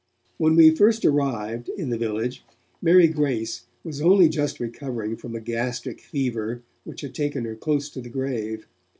When we first arrived in the village, Mary Grace was only just recovering from a gastric fever which had taken her close to the grave.